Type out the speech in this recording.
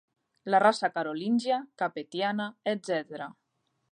La raça carolíngia, capetiana, etc.